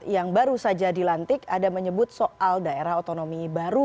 yang baru saja dilantik ada menyebut soal daerah otonomi baru